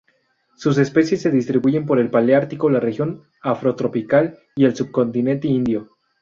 Sus especies se distribuyen por el paleártico, la región afrotropical y el subcontinente indio.